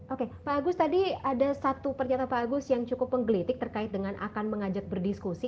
oke pak agus tadi ada satu pernyataan pak agus yang cukup menggelitik terkait dengan akan mengajak berdiskusi